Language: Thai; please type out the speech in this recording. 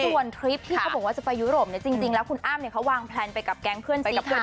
ส่วนทริปที่เขาบอกว่าจะไปยุโรปเนี่ยจริงแล้วคุณอ้ำเขาวางแพลนไปกับแก๊งเพื่อนซีกัน